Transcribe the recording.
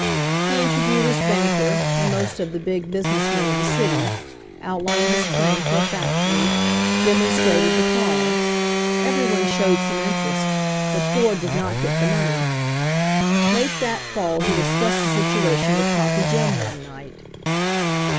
He interviewed his banker and most of the big business men of the city, outlined his plan for a factory, demonstrated the car. Every one showed some interest, but Ford did not get the money. Late that fall he discussed the situation with Coffee Jim one night.